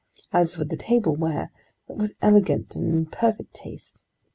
As for the tableware, it was elegant and in perfect taste.